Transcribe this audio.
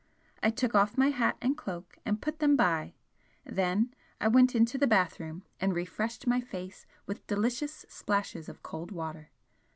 I took off my hat and cloak and put them by then I went into the bathroom and refreshed my face with delicious splashes of cold water.